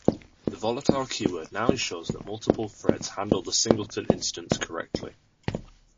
The volatile keyword now ensures that multiple threads handle the singleton instance correctly.